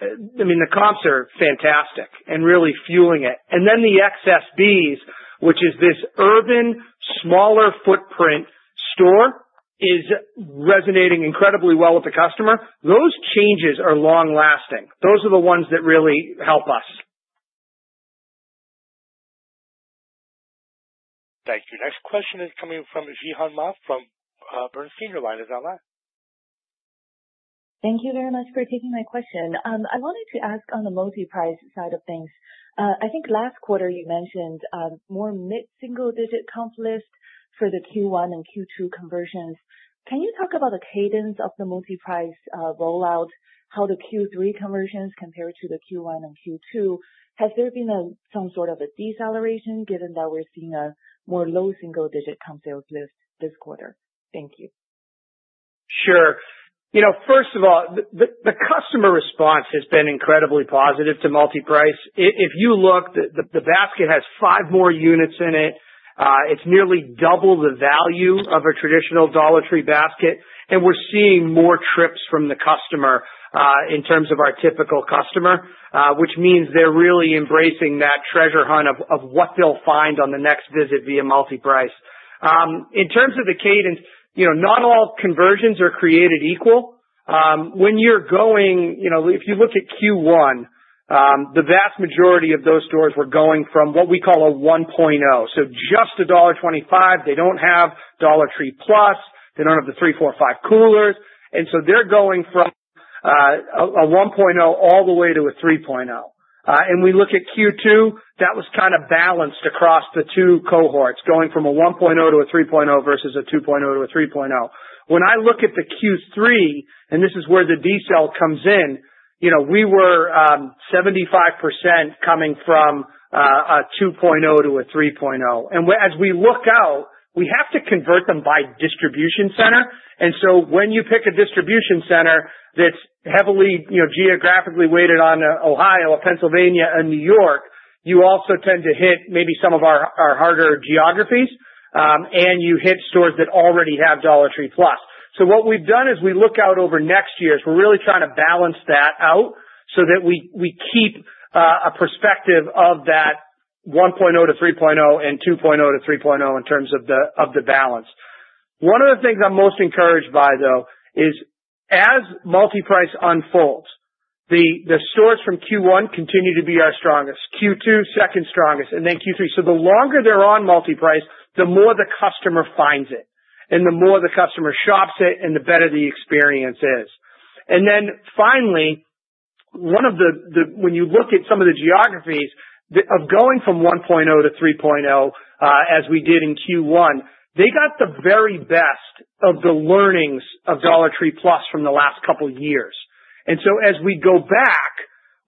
I mean, the comps are fantastic and really fueling it. And then the XSBs, which is this urban, smaller footprint store, is resonating incredibly well with the customer. Those changes are long-lasting. Those are the ones that really help us. Thank you. Next question is coming from Zhihan Ma from Bernstein. Your line is now live. Thank you very much for taking my question. I wanted to ask on the multi-price side of things. I think last quarter you mentioned more mid-single-digit comps for the Q1 and Q2 conversions. Can you talk about the cadence of the multi-price rollout, how the Q3 conversions compare to the Q1 and Q2? Has there been some sort of a deceleration given that we're seeing a more low single-digit comp sales lift this quarter? Thank you. Sure. First of all, the customer response has been incredibly positive to multi-price. If you look, the basket has five more units in it. It's nearly double the value of a traditional Dollar Tree basket. And we're seeing more trips from the customer in terms of our typical customer, which means they're really embracing that treasure hunt of what they'll find on the next visit via multi-price. In terms of the cadence, not all conversions are created equal. When you're going, if you look at Q1, the vast majority of those stores were going from what we call a 1.0. So just $1.25. They don't have Dollar Tree Plus. They don't have the three, four, five coolers. So they're going from a 1.0 all the way to a 3.0. And we look at Q2, that was kind of balanced across the two cohorts, going from a 1.0 to a 3.0 versus a 2.0 to a 3.0. When I look at the Q3, and this is where the decel comes in, we were 75% coming from a 2.0 to a 3.0. And as we look out, we have to convert them by distribution center. And so when you pick a distribution center that's heavily geographically weighted on Ohio or Pennsylvania and New York, you also tend to hit maybe some of our harder geographies, and you hit stores that already have Dollar Tree Plus. So what we've done is we look out over next years. We're really trying to balance that out so that we keep a perspective of that 1.0-3.0 and 2.0-3.0 in terms of the balance. One of the things I'm most encouraged by, though, is as multi-price unfolds, the stores from Q1 continue to be our strongest, Q2 second strongest, and then Q3. So the longer they're on multi-price, the more the customer finds it, and the more the customer shops it, and the better the experience is. And then finally, one of the when you look at some of the geographies of going from 1.0-3.0 as we did in Q1, they got the very best of the learnings of Dollar Tree Plus from the last couple of years. And so as we go back,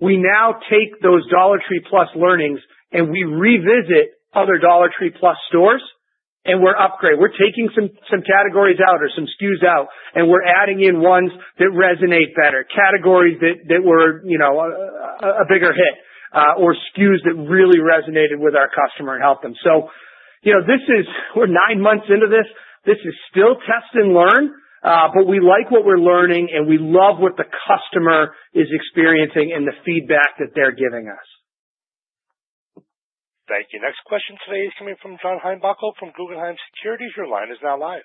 we now take those Dollar Tree Plus learnings and we revisit other Dollar Tree Plus stores and we're upgrading. We're taking some categories out or some SKUs out, and we're adding in ones that resonate better, categories that were a bigger hit or SKUs that really resonated with our customer and helped them. So we're nine months into this. This is still test and learn, but we like what we're learning, and we love what the customer is experiencing and the feedback that they're giving us. Thank you. Next question today is coming from John Heinbockel from Guggenheim Securities. Your line is now live.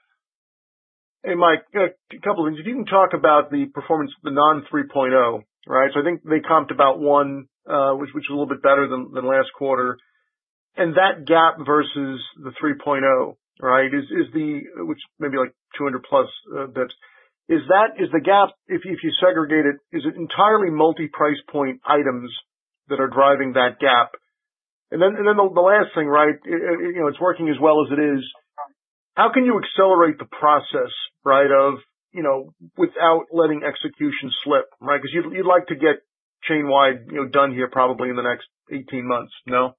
Hey, Mike. A couple of things. You didn't talk about the performance, the non-3.0, right? So I think they comped about one, which was a little bit better than last quarter. And that gap versus the 3.0, right, which may be like 200-plus bps, is the gap, if you segregate it, is it entirely multi-price point items that are driving that gap? And then the last thing, right? It's working as well as it is. How can you accelerate the process, right, without letting execution slip, right? Because you'd like to get chain-wide done here probably in the next 18 months, no?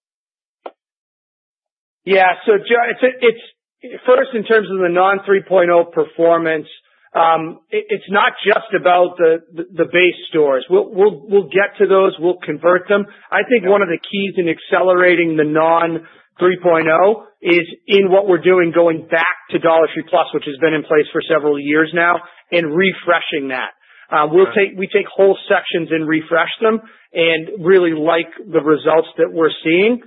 Yeah. So first, in terms of the non-3.0 performance, it's not just about the base stores. We'll get to those. We'll convert them. I think one of the keys in accelerating the non-3.0 is in what we're doing going back to Dollar Tree Plus, which has been in place for several years now, and refreshing that. We take whole sections and refresh them and really like the results that we're seeing.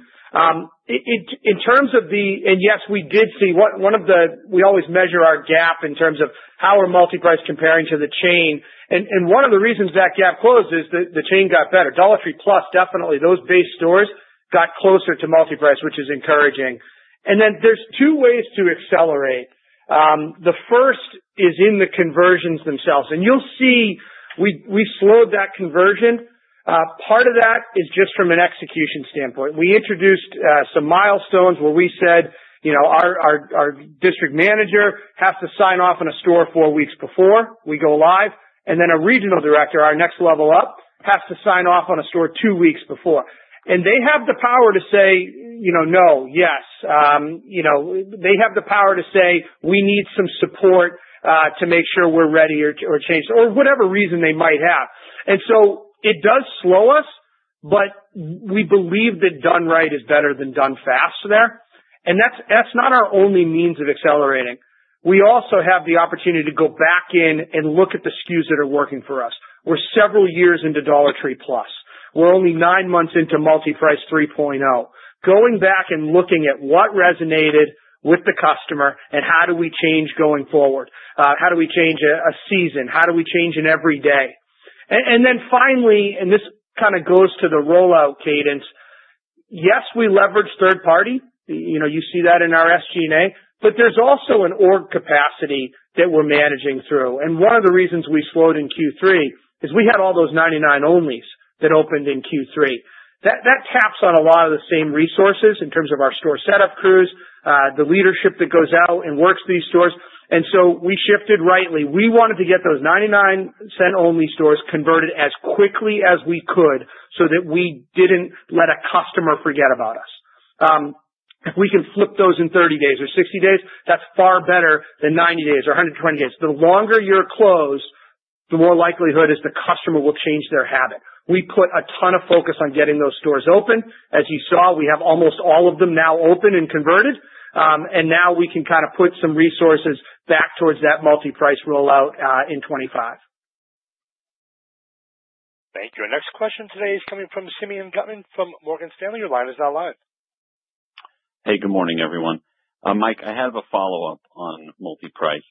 In terms of the and yes, we did see one of the we always measure our gap in terms of how are multi-price comparing to the chain. One of the reasons that gap closed is the chain got better. Dollar Tree Plus, definitely, those base stores got closer to multi-price, which is encouraging. Then there's two ways to accelerate. The first is in the conversions themselves. You'll see we slowed that conversion. Part of that is just from an execution standpoint. We introduced some milestones where we said our district manager has to sign off on a store four weeks before we go live, and then a regional director, our next level up, has to sign off on a store two weeks before. They have the power to say, "No. Yes." They have the power to say, "We need some support to make sure we're ready or changed," or whatever reason they might have. It does slow us, but we believe that done right is better than done fast there. And that's not our only means of accelerating. We also have the opportunity to go back in and look at the SKUs that are working for us. We're several years into Dollar Tree Plus. We're only nine months into multi-price 3.0. Going back and looking at what resonated with the customer and how do we change going forward? How do we change a season? How do we change an everyday? And then finally, and this kind of goes to the rollout cadence, yes, we leverage third party. You see that in our SG&A, but there's also an org capacity that we're managing through. And one of the reasons we slowed in Q3 is we had all those 99 Cents Onlys that opened in Q3. That taps on a lot of the same resources in terms of our store setup crews, the leadership that goes out and works these stores. And so we shifted rightly. We wanted to get those 99 Cents Only stores converted as quickly as we could so that we didn't let a customer forget about us. If we can flip those in 30 days or 60 days, that's far better than 90 days or 120 days. The longer you're closed, the more likelihood is the customer will change their habit. We put a ton of focus on getting those stores open. As you saw, we have almost all of them now open and converted, and now we can kind of put some resources back towards that multi-price rollout in 2025. Thank you. And next question today is coming from Simeon Gutman from Morgan Stanley. Your line is now live. Hey, good morning, everyone. Mike, I have a follow-up on multi-price.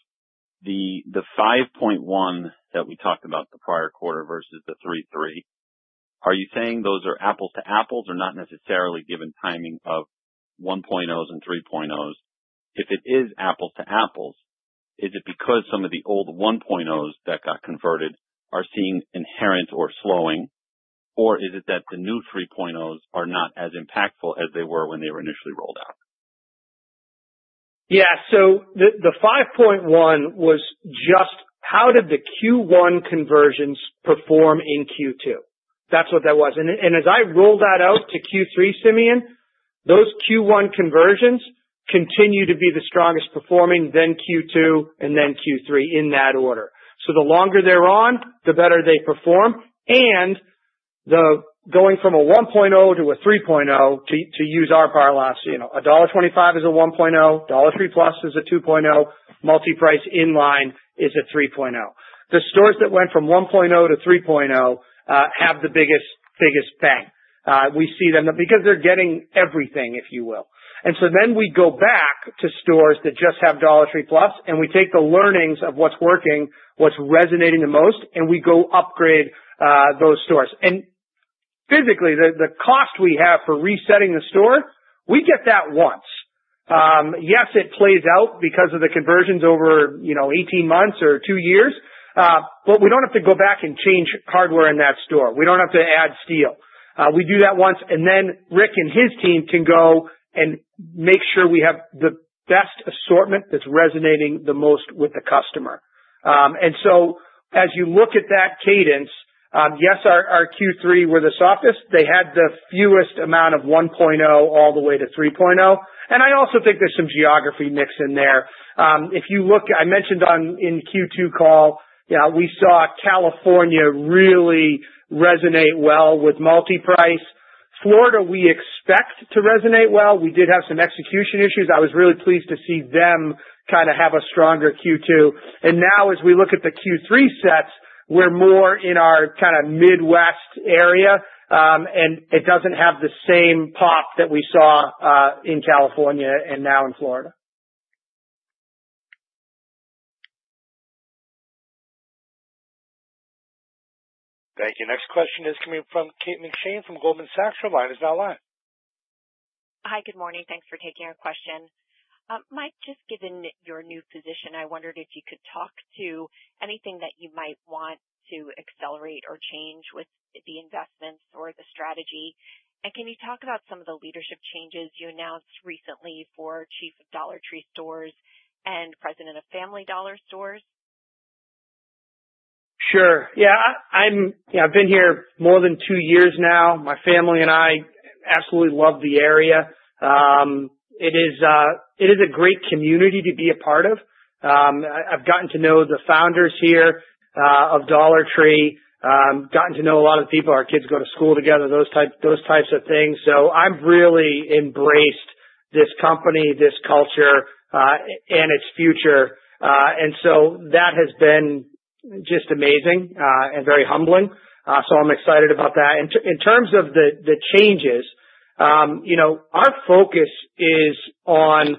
The 5.1 that we talked about the prior quarter versus the 3.3, are you saying those are apples to apples or not necessarily given timing of 1.0s and 3.0s? If it is apples to apples, is it because some of the old 1.0s that got converted are seeing inherently slowing, or is it that the new 3.0s are not as impactful as they were when they were initially rolled out? Yeah, so the 5.1 was just how did the Q1 conversions perform in Q2? That's what that was, and as I rolled that out to Q3, Simeon, those Q1 conversions continue to be the strongest performing, then Q2, and then Q3 in that order. So the longer they're on, the better they perform. And going from a 1.0 to a 3.0, to use our parallels, $1.25 is a 1.0, Dollar Tree Plus is a 2.0, multi-price inline is a 3.0. The stores that went from 1.0 to 3.0 have the biggest bang. We see them because they're getting everything, if you will. And so then we go back to stores that just have Dollar Tree Plus, and we take the learnings of what's working, what's resonating the most, and we go upgrade those stores. And physically, the cost we have for resetting the store, we get that once. Yes, it plays out because of the conversions over 18 months or two years, but we don't have to go back and change hardware in that store. We don't have to add steel. We do that once, and then Rick and his team can go and make sure we have the best assortment that's resonating the most with the customer. And so as you look at that cadence, yes, our Q3 were the softest. They had the fewest amount of 1.0 all the way to 3.0. And I also think there's some geography mix in there. If you look, I mentioned in Q2 call, we saw California really resonate well with multi-price. Florida, we expect to resonate well. We did have some execution issues. I was really pleased to see them kind of have a stronger Q2. And now, as we look at the Q3 sets, we're more in our kind of Midwest area, and it doesn't have the same pop that we saw in California and now in Florida. Thank you. Next question is coming from Kate McShane from Goldman Sachs. Her line is now live. Hi, good morning. Thanks for taking our question. Mike, just given your new position, I wondered if you could talk to anything that you might want to accelerate or change with the investments or the strategy, and can you talk about some of the leadership changes you announced recently for Chief of Dollar Tree Stores and President of Family Dollar Stores? Sure. Yeah. I've been here more than two years now. My family and I absolutely love the area. It is a great community to be a part of. I've gotten to know the founders here of Dollar Tree, gotten to know a lot of the people, our kids go to school together, those types of things. So I've really embraced this company, this culture, and its future. And so that has been just amazing and very humbling. So I'm excited about that. In terms of the changes, our focus is on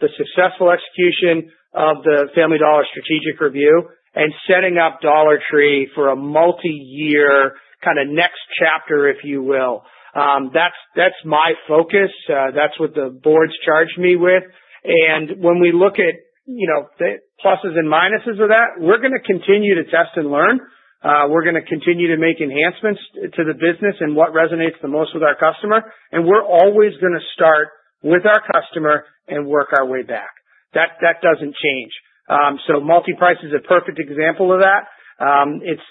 the successful execution of the Family Dollar Strategic Review and setting up Dollar Tree for a multi-year kind of next chapter, if you will. That's my focus. That's what the boards charged me with. When we look at the pluses and minuses of that, we're going to continue to test and learn. We're going to continue to make enhancements to the business and what resonates the most with our customer. We're always going to start with our customer and work our way back. That doesn't change. Multi-price is a perfect example of that.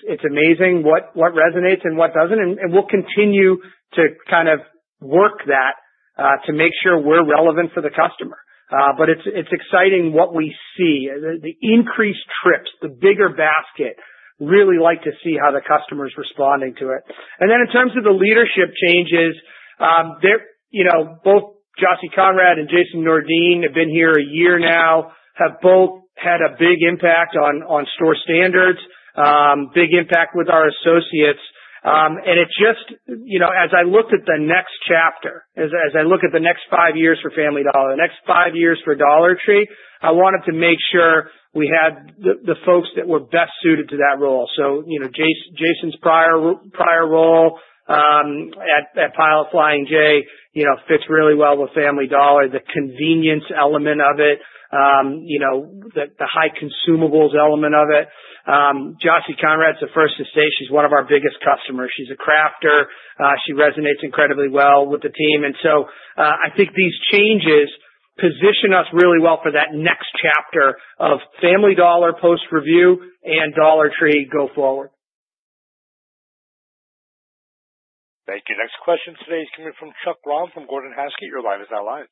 It's amazing what resonates and what doesn't. We'll continue to kind of work that to make sure we're relevant for the customer. It's exciting what we see. The increased trips, the bigger basket. Really like to see how the customer's responding to it. Then in terms of the leadership changes, both Jocelyn Konrad and Jason Nordin have been here a year now. They have both had a big impact on store standards, big impact with our associates. It just, as I looked at the next chapter, as I look at the next five years for Family Dollar, the next five years for Dollar Tree, I wanted to make sure we had the folks that were best suited to that role. Jason's prior role at Pilot Flying J fits really well with Family Dollar, the convenience element of it, the high consumables element of it. Jocelyn Konrad's the first to say she's one of our biggest customers. She's a crafter. She resonates incredibly well with the team. And so I think these changes position us really well for that next chapter of Family Dollar Post Review and Dollar Tree go forward. Thank you. Next question today is coming from Chuck Grom from Gordon Haskett. Your line is now live.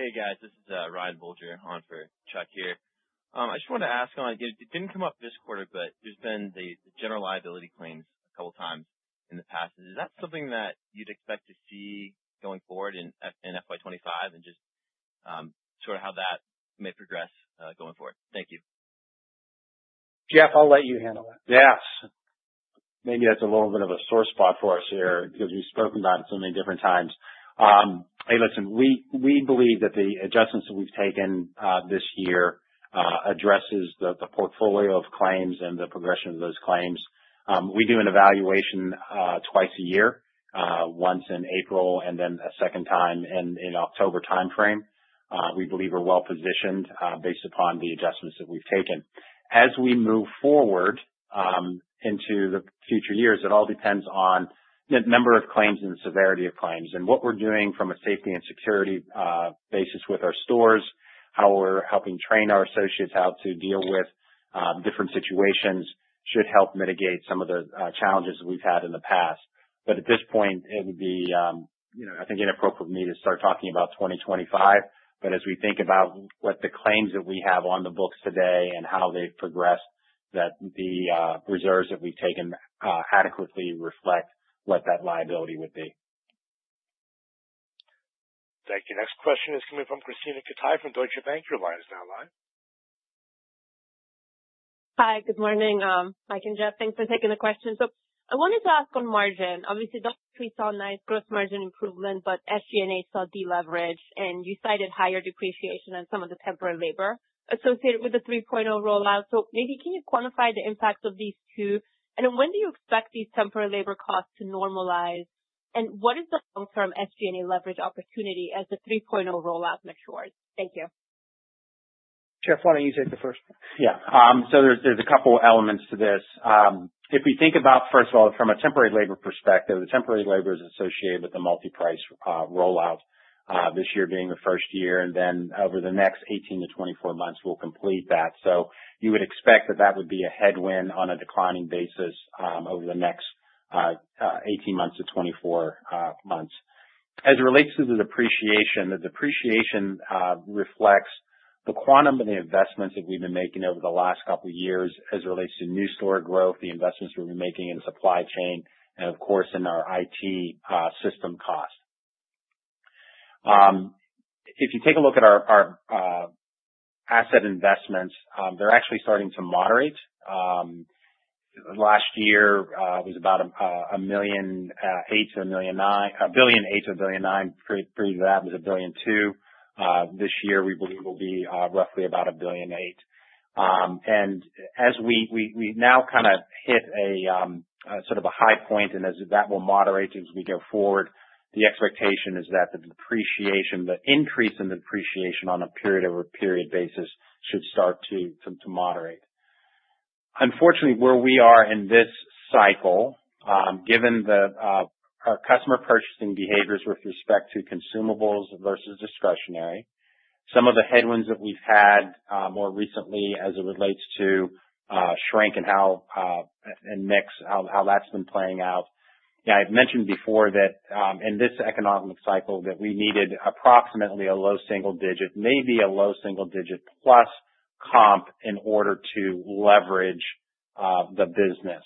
Hey, guys. This is Ryan Bulger on for Chuck here. I just wanted to ask, it didn't come up this quarter, but there's been the general liability claims a couple of times in the past. Is that something that you'd expect to see going forward in FY 2025 and just sort of how that may progress going forward? Thank you. Jeff, I'll let you handle that. Yes. Maybe that's a little bit of a sore spot for us here because we've spoken about it so many different times. Hey, listen, we believe that the adjustments that we've taken this year addresses the portfolio of claims and the progression of those claims. We do an evaluation twice a year, once in April and then a second time in the October timeframe. We believe we're well positioned based upon the adjustments that we've taken. As we move forward into the future years, it all depends on the number of claims and the severity of claims. And what we're doing from a safety and security basis with our stores, how we're helping train our associates how to deal with different situations should help mitigate some of the challenges that we've had in the past. But at this point, it would be, I think, inappropriate for me to start talking about 2025. But as we think about what the claims that we have on the books today and how they've progressed, that the reserves that we've taken adequately reflect what that liability would be. Thank you. Next question is coming from Krisztina Katai from Deutsche Bank. Your line is now live. Hi, good morning. Mike and Jeff, thanks for taking the question. So I wanted to ask on margin. Obviously, Dollar Tree saw nice gross margin improvement, but SG&A saw deleverage, and you cited higher depreciation on some of the temporary labor associated with the 3.0 rollout. So maybe can you quantify the impact of these two? And then when do you expect these temporary labor costs to normalize? And what is the long-term SG&A leverage opportunity as the 3.0 rollout matures? Thank you. Jeff, why don't you take the first? Yeah. So there's a couple of elements to this. If we think about, first of all, from a temporary labor perspective, the temporary labor is associated with the multi-price rollout this year being the first year. And then over the next 18 to 24 months, we'll complete that. So you would expect that that would be a headwind on a declining basis over the next 18 months to 24 months. As it relates to the depreciation, the depreciation reflects the quantum of the investments that we've been making over the last couple of years as it relates to new store growth, the investments we've been making in supply chain, and of course, in our IT system cost. If you take a look at our asset investments, they're actually starting to moderate. Last year was about $1.8 billion-$1.9 billion. Previous to that was $1.2 billion. This year, we believe will be roughly about $1.8 billion. And as we now kind of hit sort of a high point, and as that will moderate as we go forward, the expectation is that the depreciation, the increase in the depreciation on a period-over-period basis should start to moderate. Unfortunately, where we are in this cycle, given our customer purchasing behaviors with respect to consumables versus discretionary, some of the headwinds that we've had more recently as it relates to shrink and mix how that's been playing out. I've mentioned before that in this economic cycle that we needed approximately a low single digit, maybe a low single digit plus comp in order to leverage the business.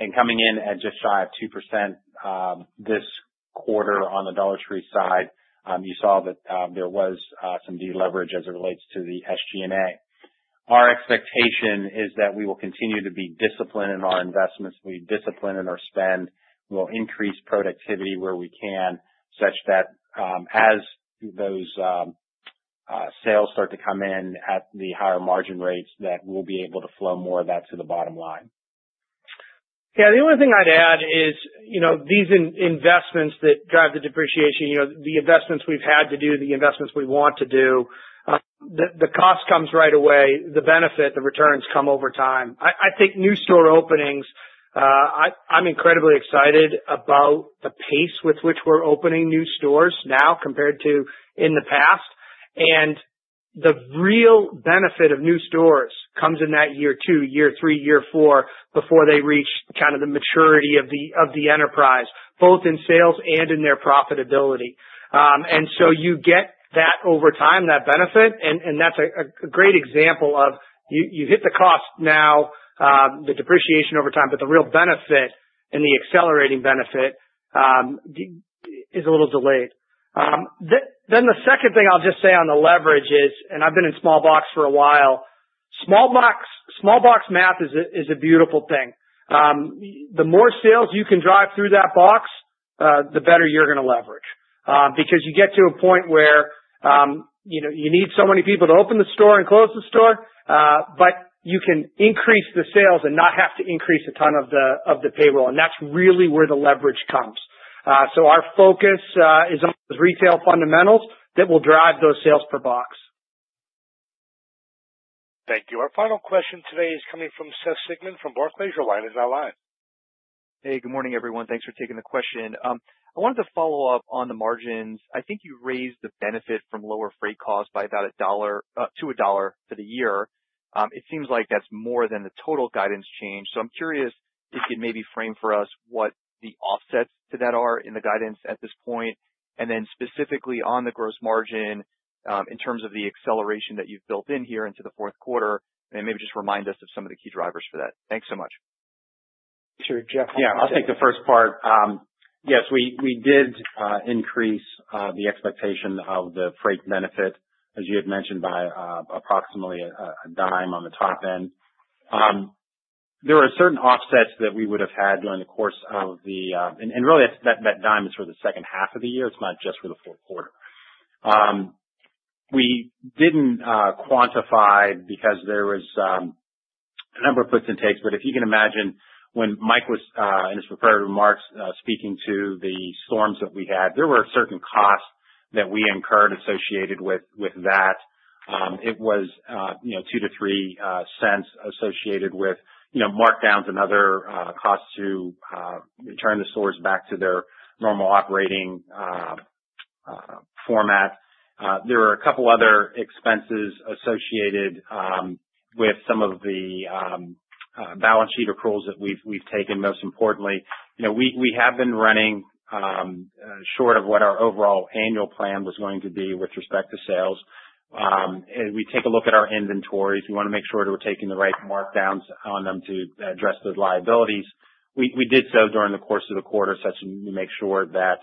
And coming in at just shy of 2% this quarter on the Dollar Tree side, you saw that there was some deleverage as it relates to the SG&A. Our expectation is that we will continue to be disciplined in our investments, be disciplined in our spend, and we'll increase productivity where we can such that as those sales start to come in at the higher margin rates, that we'll be able to flow more of that to the bottom line. Yeah. The only thing I'd add is these investments that drive the depreciation, the investments we've had to do, the investments we want to do, the cost comes right away. The benefit, the returns come over time. I think new store openings, I'm incredibly excited about the pace with which we're opening new stores now compared to in the past. And the real benefit of new stores comes in that year two, year three, year four before they reach kind of the maturity of the enterprise, both in sales and in their profitability. And so you get that over time, that benefit. And that's a great example of you hit the cost now, the depreciation over time, but the real benefit and the accelerating benefit is a little delayed. Then the second thing I'll just say on the leverage is, and I've been in small box for a while, small box math is a beautiful thing. The more sales you can drive through that box, the better you're going to leverage because you get to a point where you need so many people to open the store and close the store, but you can increase the sales and not have to increase a ton of the payroll. And that's really where the leverage comes. So our focus is on those retail fundamentals that will drive those sales per box. Thank you. Our final question today is coming from Seth Sigman from Barclays. Your line is now live. Hey, good morning, everyone. Thanks for taking the question. I wanted to follow up on the margins. I think you raised the benefit from lower freight costs by about $1-$2 for the year. It seems like that's more than the total guidance change. So I'm curious if you'd maybe frame for us what the offsets to that are in the guidance at this point, and then specifically on the gross margin in terms of the acceleration that you've built in here into the fourth quarter, and maybe just remind us of some of the key drivers for that. Thanks so much. Sure. Jeff. I'll take the first part. Yes, we did increase the expectation of the freight benefit, as you had mentioned, by approximately $0.10 on the top end. There were certain offsets that we would have had during the course of, and really, that $0.10 is for the second half of the year. It's not just for the fourth quarter. We didn't quantify because there was a number of puts and takes. But if you can imagine, when Mike was in his preparatory remarks speaking to the storms that we had, there were certain costs that we incurred associated with that. It was $0.02-$0.03 associated with markdowns and other costs to return the stores back to their normal operating format. There were a couple of other expenses associated with some of the balance sheet accruals that we've taken. Most importantly, we have been running short of what our overall annual plan was going to be with respect to sales. We take a look at our inventories. We want to make sure we're taking the right markdowns on them to address those liabilities. We did so during the course of the quarter such as we make sure that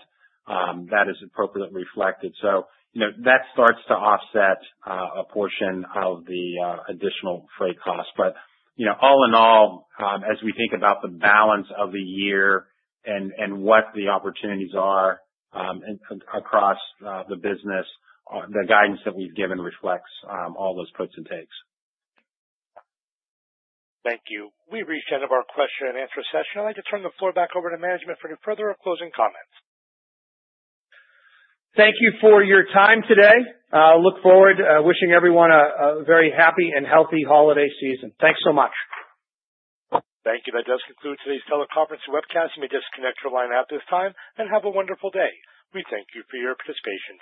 that is appropriately reflected. So that starts to offset a portion of the additional freight costs. But all in all, as we think about the balance of the year and what the opportunities are across the business, the guidance that we've given reflects all those puts and takes. Thank you. We've reached the end of our question and answer session. I'd like to turn the floor back over to management for any further closing comments. Thank you for your time today. I look forward to wishing everyone a very happy and healthy holiday season. Thanks so much. Thank you. That does conclude today's teleconference and webcast. You may disconnect your line at this time and have a wonderful day. We thank you for your participation.